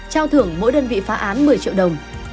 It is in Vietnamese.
trao thưởng mỗi đơn vị phá án một mươi triệu đồng